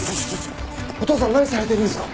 お義父さん何されてるんですか？